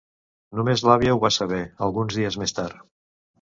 Només l'àvia ho va saber, alguns dies més tard.